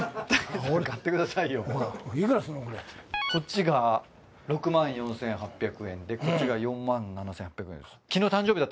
こっちが６万４，８００円でこっちが４万７，８００円です。